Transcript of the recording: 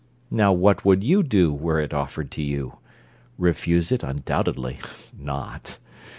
Now what would you do Were it offered to you? Refuse it undoubtedly (not)!